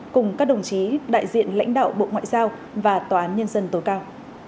cùng các đồng chí đại diện lãnh đạo bộ ngoại giao và tòa án nhân dân tối cao